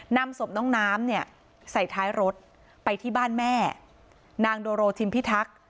นำศพน้องน้ำเนี่ยใส่ท้ายรถไปที่บ้านแม่นางโดโรทิมพิทักษ์